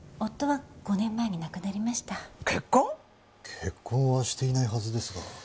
結婚はしていないはずですが。